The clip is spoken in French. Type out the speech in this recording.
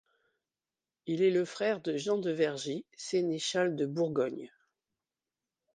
Il est le frère de Jean de Vergy, sénéchal de Bourgogne.